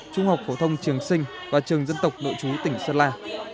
trung học phổ thông trường sinh và trường dân tộc nội chú tỉnh sơn la